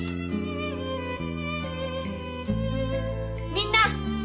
みんな！